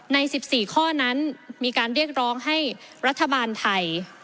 ใน๑๔ข้อนั้นมีการเรียกร้องให้รัฐบาลไทย